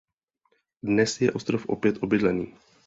Dnes je ostrov opět obydlený.